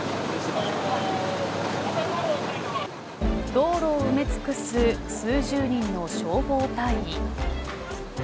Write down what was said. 道路を埋め尽くす数十人の消防隊員。